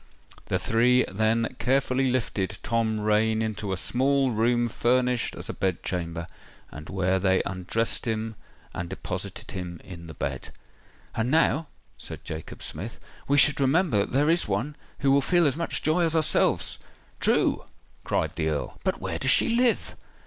The three then carefully lifted Tom Rain into a small room furnished as a bed chamber, and where they undressed him and deposited him in the bed. "And now," said Jacob Smith, "we should remember that there is one, who will feel as much joy as ourselves——" "True!" cried the Earl. "But where does she live?"